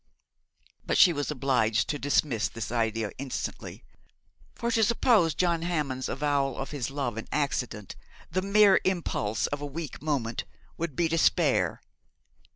But she was obliged to dismiss this idea instantly; for to suppose John Hammond's avowal of his love an accident, the mere impulse of a weak moment, would be despair.